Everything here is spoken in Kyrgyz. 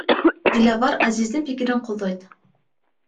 Диловар Азиздин пикирин колдойт.